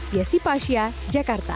yesi pasha jakarta